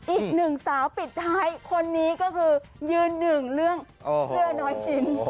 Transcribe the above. อีกหนึ่งสาวปิดท้ายคนนี้ก็คือยืนหนึ่งเรื่องเสื้อน้อยชิ้น